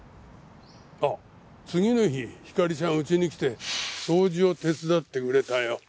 あっ次の日ひかりちゃんうちに来て掃除を手伝ってくれたよ。